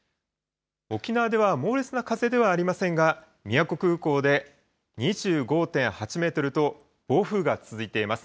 沖縄では猛烈な風ではありませんが、宮古空港で２５．８メートルと暴風が続いています。